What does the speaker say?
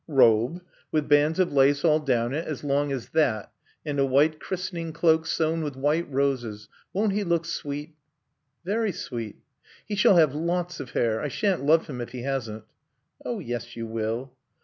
"Robe, with bands of lace all down it, as long as that; and a white christening cloak sewn with white roses. Won't he look sweet?" "Very sweet." "He shall have lots of hair. I shan't love him if he hasn't." "Oh, yes, you will."